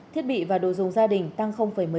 thiết bị và đồ dùng gia đình tăng một mươi năm